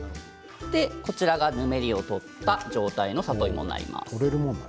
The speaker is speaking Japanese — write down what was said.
こちらが、ぬめりを取った状態の里芋になります。